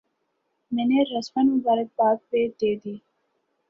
میں نے رسما مبارکباد پہ دے دی۔